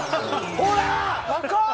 ほら！